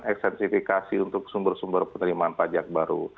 ekstensifikasi untuk sumber sumber penerimaan pajak baru